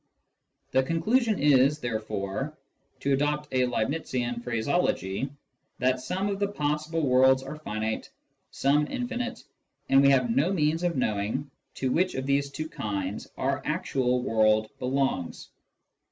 The conclusion is, therefore, to adopt a Leibnizian phraseology, that some of the possible worlds are finite, some infinite, and we have no means of knowing to which of these two kinds our actual world belongs.